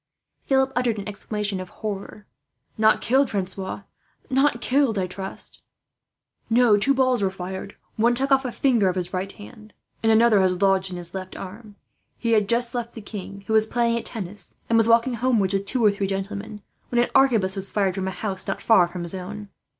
Philip uttered an exclamation of horror. "Not killed, Francois; not killed, I trust?" "No; two balls were fired, one took off a finger of his right hand, and another has lodged in his left arm. He had just left the king, who was playing at tennis, and was walking homewards with two or three gentlemen, when an arquebus was fired from a house not far from his own.